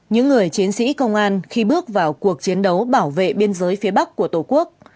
những người chiến sĩ công an khi bước vào cuộc chiến đấu bảo vệ biên giới phía bắc của tổ quốc